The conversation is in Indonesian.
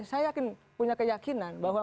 saya yakin punya keyakinan bahwa